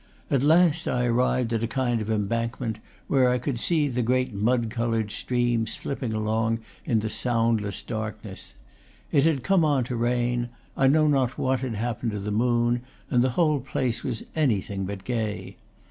At last I arrived at a kind of embankment, where I could see the great mud colored stream slip ping along in the soundless darkness. It had come on to rain, I know not what had happened to the moon, and the whole place was anything but gay.